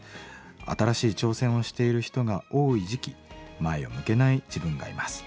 新しい挑戦をしている人が多い時期前を向けない自分がいます。